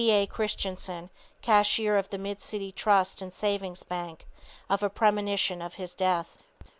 A. Christensen, cashier of the Mid City Trust and Savings Bank, of a premonition of death.